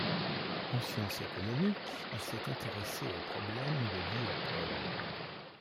En sciences économiques, il s'est intéressé au problème de duopole.